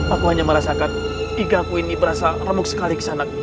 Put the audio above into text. aku hanya merasakan hingga aku ini berasa remuk sekali kisanak